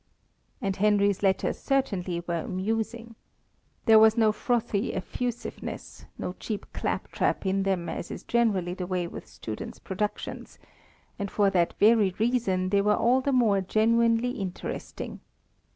And Henry's letters certainly were amusing. There was no frothy effusiveness, no cheap claptrap in them as is generally the way with students' productions, and for that very reason they were all the more genuinely interesting.